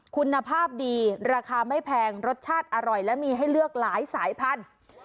คุณภาพดีราคาไม่แพงรสชาติอร่อยและมีให้เลือกหลายสายพันธุ์